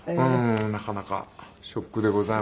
なかなかショックでございました。